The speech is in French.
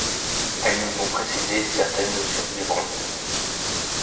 Elles nous ont précédés, certaines nous survivront.